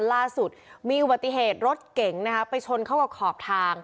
ล่าสุดมีอุบัติเหตุรถเก๋งนะคะไปชนเข้ากับขอบทาง